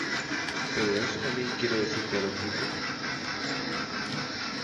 pero eso también quiere decir que a los ricos